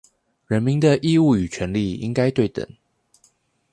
人民的義務與權利應該對等